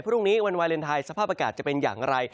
พรุ่งนี้วันวาเลนไทยสภาพอากาศจะเป็นอย่างไร